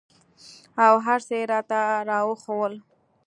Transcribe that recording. او هرڅه يې راته راوښوول.